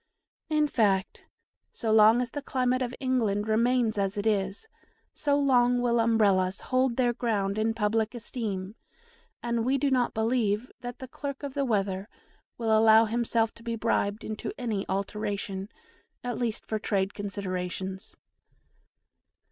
In fact, so long as the climate of England remains as it is, so long will Umbrellas hold their ground in public esteem, and we do not believe that the clerk of the weather will allow himself to be bribed into any alteration, at least for trade considerations.